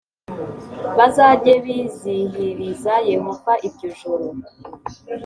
bazajye bizihiriza Yehova iryo joro